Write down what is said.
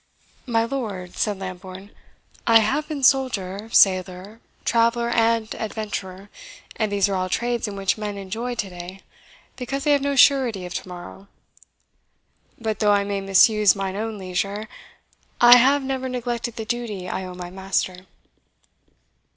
"My lord," said Lambourne, "I have been soldier, sailor, traveller, and adventurer; and these are all trades in which men enjoy to day, because they have no surety of to morrow. But though I may misuse mine own leisure, I have never neglected the duty I owe my master."